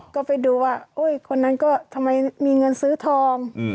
ก็ไปดูว่าคนนั้นก็ทำไมมีเงินซื้อทอง